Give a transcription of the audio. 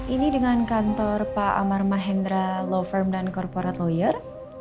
ini dengan kantor pak amar mahendra law firm dan corporate lawyer